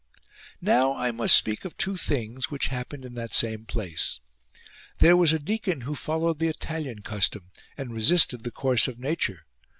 32. Now I must speak of two things which happened in that same place. There was a deacon who followed the Italian custom and resisted the course of nature.